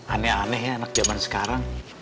aneh aneh ya anak zaman sekarang